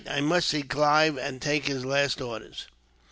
I must see Clive, and take his last orders."